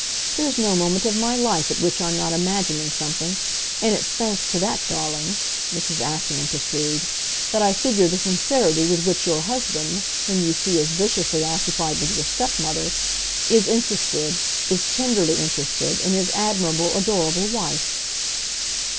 There's no moment of my life at which I'm not imagining something; and it's thanks to that, darling," Mrs. Assingham pursued, "that I figure the sincerity with which your husband, whom you see as viciously occupied with your stepmother, is interested, is tenderly interested, in his admirable, adorable wife."